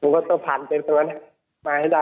คุณก็ต้องผ่านเต็มสำม้าวให้ได้